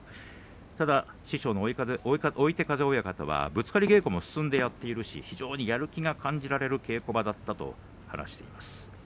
ただ師匠の追手風親方はぶつかり稽古も進んでやっているし非常にやる気が感じられる稽古場だったと話しています。